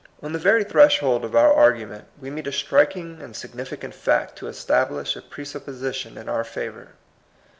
On the very threshold of our argument we meet a striking and significant fact to establish a presupposition in our favor.